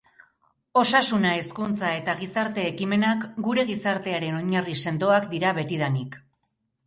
Osasuna, hezkuntza eta gizarte-ekimenak gure gizartearen oinarri sendoak dira betidanik.